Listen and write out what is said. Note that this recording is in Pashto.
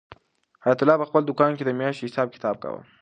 حیات الله په خپل دوکان کې د میاشتې حساب کتاب کاوه.